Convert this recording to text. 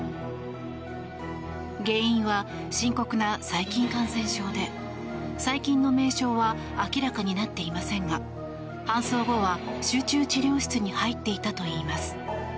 原因は深刻な細菌感染症で細菌の名称は明らかになっていませんが搬送後は集中治療室に入っていたといいます。